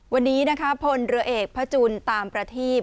วันนี้นะคะพลเรือเอกพระจุลตามประทีบ